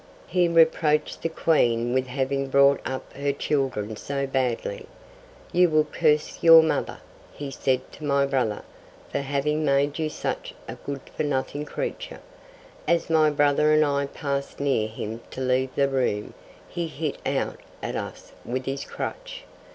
He reproached the Queen with having brought up her children so badly. 'You will curse your mother,' he said to my brother, 'for having made you such a good for nothing creature.' ... As my brother and I passed near him to leave the room, he hit out at us with his crutch.